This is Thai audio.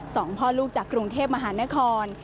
สองพ่อลูกจากกรุงเทพมหานคร